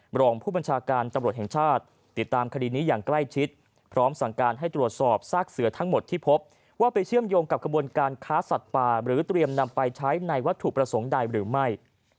รองผู้บัญชาการตำรวจแห่งชาติติดตามคดีนี้อย่างใกล้ชิดพร้อมสั่งการให้ตรวจสอบซากเสือทั้งหมดที่พบว่าไปเชื่อมโยงกับกระบวนการค้าสัตว์ป่าหรือเตรียมนำไปใช้ในวัตถุประสงค์ใดหรือไม่